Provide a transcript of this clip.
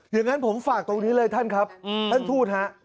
อย่างนั้นผมฝากตรงนี้เลยท่านครับท่านทูตฮะ